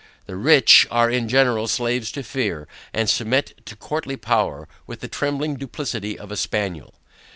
The rich are in general slaves to fear, and submit to courtly power with the trembling duplicity of a Spaniel.